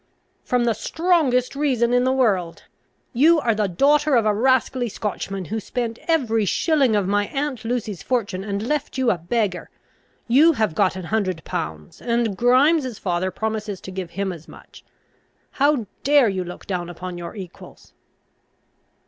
"From the strongest reason in the world. You are the daughter of a rascally Scotchman, who spent every shilling of my aunt Lucy's fortune, and left you a beggar. You have got an hundred pounds, and Grimes's father promises to give him as much. How dare you look down upon your equals?"